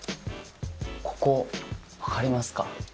ここ分かりますか？